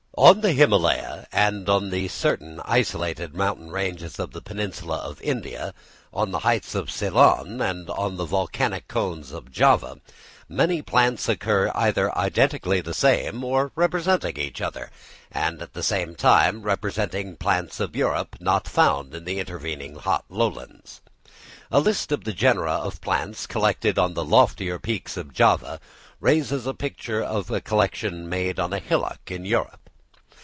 On the Himalaya, and on the isolated mountain ranges of the peninsula of India, on the heights of Ceylon, and on the volcanic cones of Java, many plants occur either identically the same or representing each other, and at the same time representing plants of Europe not found in the intervening hot lowlands. A list of the genera of plants collected on the loftier peaks of Java, raises a picture of a collection made on a hillock in Europe.